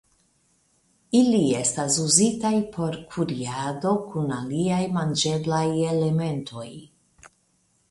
Ili estas uzitaj por kuriado kun aliaj manĝeblaj elementoj.